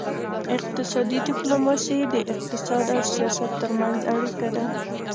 اقتصادي ډیپلوماسي د اقتصاد او سیاست ترمنځ اړیکه ده